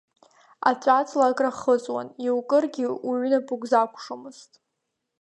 Аҵәаҵла акрахыҵуан, иукыргьы уҩнапык закәшомызт.